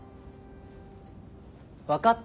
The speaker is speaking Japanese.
分かった？